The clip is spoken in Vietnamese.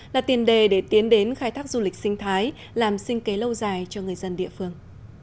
là tiền đề để tiến đến khai thác du lịch sinh thái làm sinh kế lâu dài cho người dân địa phương